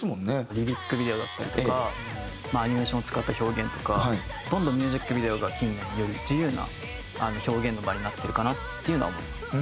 リリックビデオだったりとかまあアニメーションを使った表現とかどんどんミュージックビデオが近年より自由な表現の場になってるかなっていうのは思いますね。